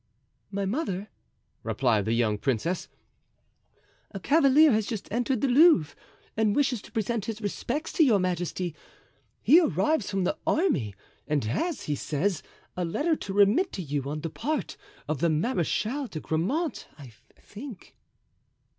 "My mother," replied the young princess, "a cavalier has just entered the Louvre and wishes to present his respects to your majesty; he arrives from the army and has, he says, a letter to remit to you, on the part of the Marechal de Grammont, I think."